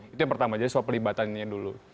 itu yang pertama jadi soal pelibatannya dulu